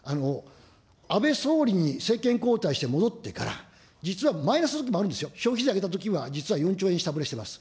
安倍総理に政権交代して戻ってから実はマイナスのときもあるんですよ、消費税上げたときには実は４兆円下振れしています。